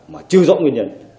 mà chưa rõ nguyên nhân